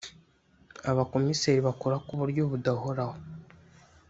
Abakomiseri bakora ku buryo budahoraho